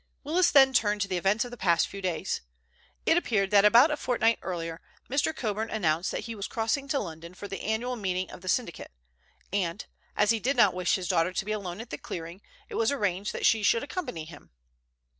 Willis then turned to the events of the past few days. It appeared that about a fortnight earlier, Mr. Coburn announced that he was crossing to London for the annual meeting of the syndicate, and, as he did not wish his daughter to be alone at the clearing, it was arranged that she should accompany him.